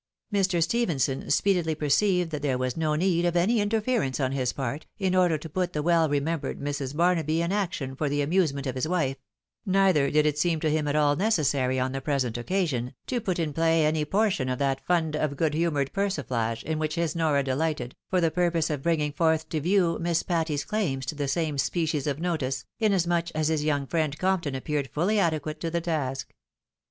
Mr. Stephenson speedily perceived that there was no need of any interference on his part, in order to put the well remembered Mrs. Barnaby in action for the amusement of his wife ; neither did it seem to him at aU necessary on the present occasion, to put in play any portion of that fund of good humoured persiflage, in which his Nora delighted, for the pur pose of bringing forth to view Miss Patty's clainis to the same species of notice, inasmuch as his young friend Compton ap peared fully adequate to the task.